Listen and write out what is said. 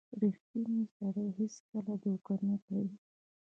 • ریښتینی سړی هیڅکله دوکه نه کوي.